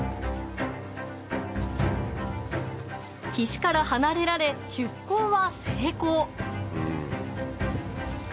岸から離れられ出港は成功